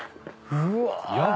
うわ！